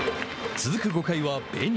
続く５回は、べに。